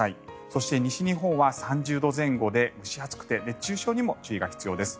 そして、西日本は３０度前後で蒸し暑くて熱中症にも注意が必要です。